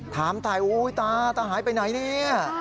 ถามถ่ายตาหายไปไหนนี่